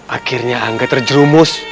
akhirnya angga terjerumus